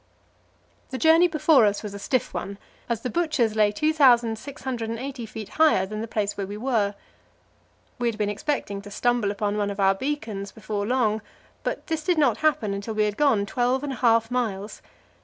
The journey before us was a stiff one, as the Butcher's lay 2,680 feet higher than the place where we were. We had been expecting to stumble upon one of our beacons before long, but this did not happen until we had gone twelve and a half miles.